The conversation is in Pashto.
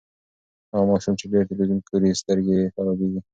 هغه ماشوم چې ډېر تلویزیون ګوري، سترګې یې خرابیږي.